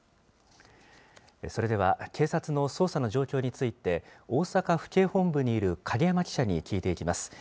それでは警察の捜査の状況について、大阪府警本部にいる影山記者に聞いていきます。